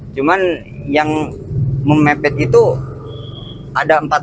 cuman yang memepet itu ada empat